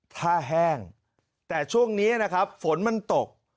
ถ้าแห้งแต่ช่วงนี้ฝนมันตก